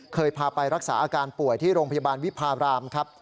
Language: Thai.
เคยพาไปรักษาอาการป่วยที่โรงพยาบาลวิพารามครับ